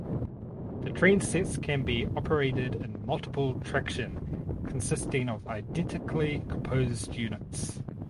The train sets can be operated in multiple traction consisting of identically composed units.